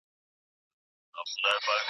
ښوونځیو تر ټولو وړ شاګردان به د پښتو ژبي په